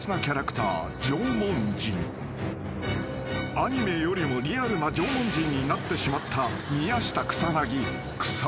［アニメよりもリアルな縄文人になってしまった］